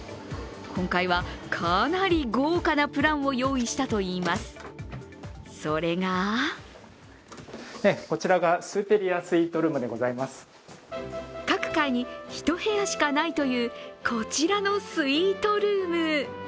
今回は、かなり豪華なプランを用意したといいます、それが各階に１部屋しかないというこちらのスイートルーム。